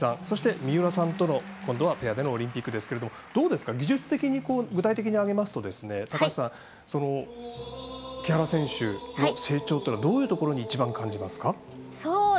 そして、三浦さんとの今度はペアでのオリンピックですが技術的に具体的に挙げますと木原選手の成長というのはどういうところに一番感じますか？